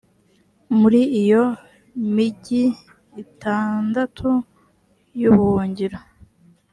muri iyo migi itandatu y’ubuhungiro,